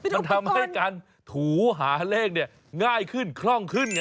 มันทำให้การถูหาเลขเนี่ยง่ายขึ้นคล่องขึ้นไง